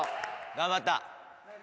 頑張った。